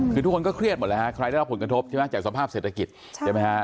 คือทุกคนก็เครียดหมดแล้วฮะใครได้รับผลกระทบจากสภาพเศรษฐกิจ